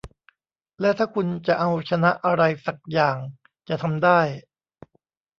และถ้าคุณจะเอาชนะอะไรสักอย่างจะทำได้